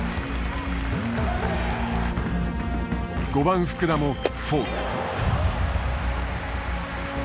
５番福田もフォーク。